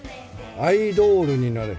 アイドールになれ。